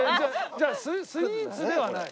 じゃあスイーツではない？